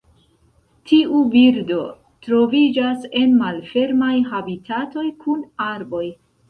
Tiu birdo troviĝas en malfermaj habitatoj kun arboj.